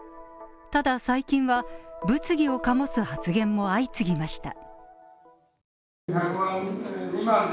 ただ最近は物議を醸す発言も相次ぎました。